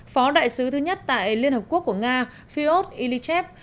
phó đại sứ thứ nhất tại liên hợp quốc của nga fyodor ilyichev